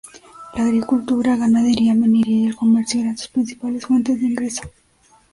La agricultura, ganadería, minería y el comercio eran sus principales fuentes de ingreso.